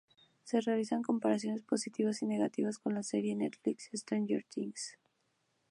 Se realizaron comparaciones positivas y negativas con la serie de Netflix "Stranger Things".